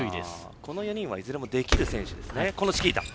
この４人はいずれもできる選手です。